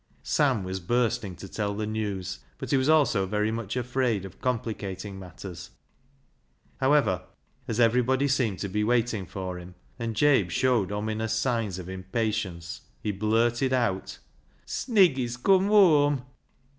Sam was bursting to tell the news, but he was also very much afraid of complicating matters. However, as everybody seemed to be waiting for him, and Jabe showed ominous signs of im patience, he blurted out —" Snigg}''s cum whoam."